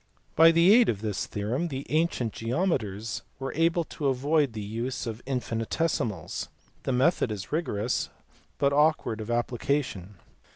By the aid of this theorem the ancient geometers were able to avoid the use of infini tesimals : the method is rigorous, but awkward of application.